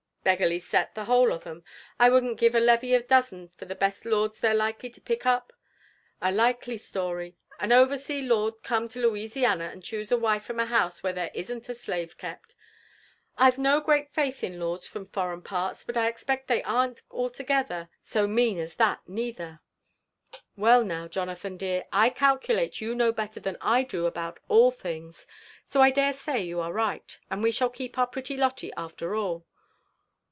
Beggarly set the whola of 'em! I wouldn't give a levy a dozen for the best lords they're likely to pick up! A likely story ! *^^n otersea lord come to Louislatn, and choose a wife from a house where there isn't a slave kept I I've DO great faith in lords from foreign parts, but leipect they arn't (|Ue< gether so mean as that neither/' ''Well DOW, Jonathan dear, I calculate you know better than I d6 about all things, so I dare say you are right, and we shall keepour. pretty Lotte after all.